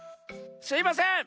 すいません！